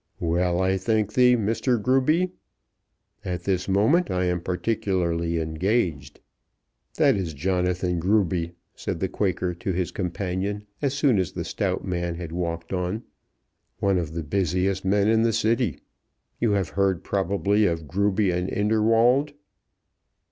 "Well, I thank thee, Mr. Gruby. At this moment I am particularly engaged. That is Jonathan Gruby," said the Quaker to his companion as soon as the stout man had walked on; "one of the busiest men in the City. You have heard probably of Gruby and Inderwald."